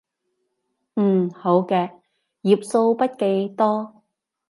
嗯，好嘅，頁數筆記多